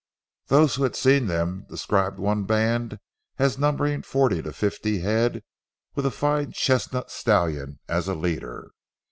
Those who had seen them described one band as numbering forty to fifty head with a fine chestnut stallion as a leader.